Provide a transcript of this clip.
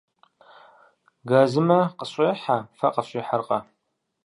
Газымэ къысщӏехьэ, фэ къыфщӏихьэркъэ?